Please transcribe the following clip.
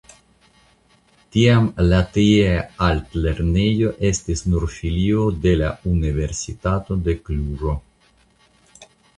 Tiam la tiea altlernejo estis nur filio de la Universitato de Kluĵo.